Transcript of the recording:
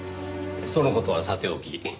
その事はさておき